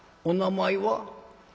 「お名前は？」。